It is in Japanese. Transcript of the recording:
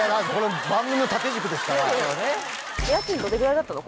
家賃どれくらいだったの？